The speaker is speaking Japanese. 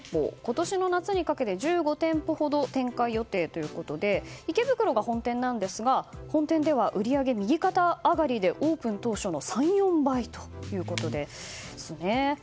今年の夏にかけて１５店舗ほど展開ということで池袋が本店なんですが本店は売上右肩上がりでオープン当初の３４倍ということですね。